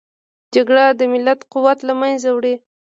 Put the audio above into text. جګړه د ملت قوت له منځه وړي